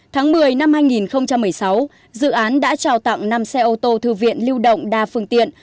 tháng một mươi năm hai nghìn một mươi sáu dự án đã trao tặng năm xe ô tô thư viện lưu động đa phương tiện